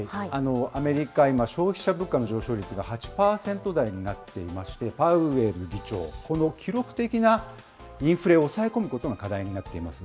アメリカ、今、消費者物価の上昇率が８％台になっていまして、パウエル議長、この記録的なインフレを抑え込むことが課題となっています。